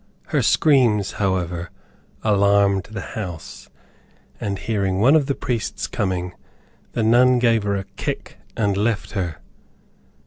Her screams, however, alarmed the house, and hearing one of the priests coming, the nun gave her a kick and left her.